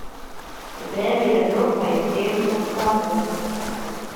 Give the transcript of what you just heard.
De bern binne drok mei it tearen fan kraanfûgels.